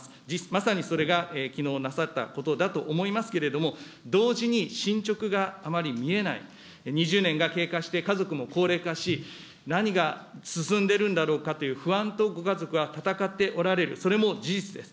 まさにそれがきのうなされたことだと思いますけれども、同時に進捗があまり見えない、２０年が経過して、家族も高齢化し、何が進んでるんだろうかという不安とご家族はたたかっておられる、それも事実です。